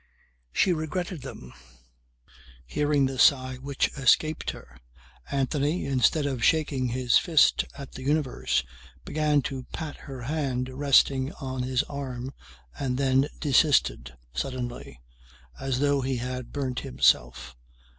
She regretted them. Hearing the sigh which escaped her Anthony instead of shaking his fist at the universe began to pat her hand resting on his arm and then desisted, suddenly, as though he had burnt himself.